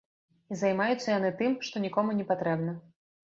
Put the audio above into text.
І займаюцца яны тым, што нікому не патрэбна.